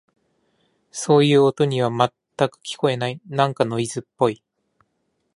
そういう音には、全く聞こえない。なんかノイズっぽい。